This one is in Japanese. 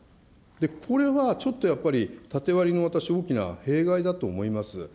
これはちょっとやっぱり、縦割りの私、大きな弊害だと思います。